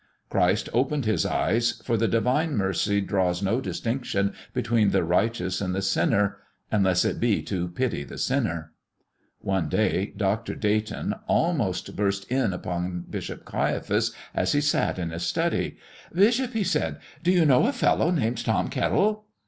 Christ opened his eyes, for the divine mercy draws no distinction between the righteous and the sinner unless it be to pity the sinner. One day Dr. Dayton almost burst in upon Bishop Caiaphas as he sat in his study. "Bishop," he said, "do you know a fellow named Tom Kettle?"